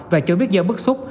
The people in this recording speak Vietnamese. và cho biết do bức xúc